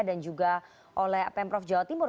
dan juga oleh pemprov jawa timur